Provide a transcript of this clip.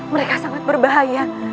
mereka sangat berbahaya